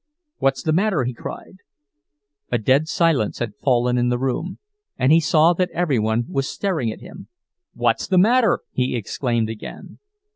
"What's the matter?" he cried. A dead silence had fallen in the room, and he saw that every one was staring at him. "What's the matter?" he exclaimed again.